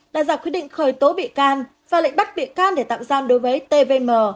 đã ra quyết định khởi tố bị can và lệnh bắt bị can để tạm gian đối với tvm